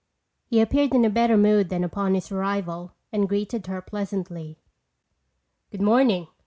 He appeared in a better mood than upon his arrival and greeted her pleasantly. "Good morning.